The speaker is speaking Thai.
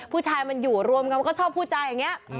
ผู้ชายมันอยู่รวมกันมันก็ชอบพูดจาอย่างนี้